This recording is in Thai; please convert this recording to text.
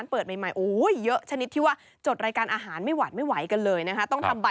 อ๋อไปตอนกลางวันไม่ได้กินครับ